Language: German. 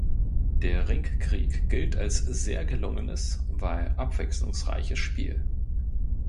Der Ringkrieg gilt als sehr gelungenes, weil abwechslungsreiches Spiel.